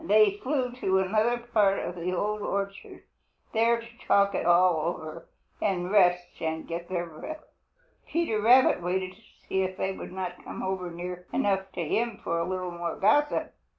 They flew to another part of the Old Orchard, there to talk it all over and rest and get their breath. Peter Rabbit waited to see if they would not come over near enough to him for a little more gossip.